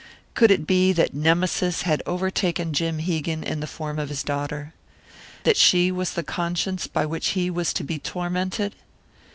Could it be that Nemesis had overtaken Jim Hegan in the form of his daughter? That she was the conscience by which he was to be tormented?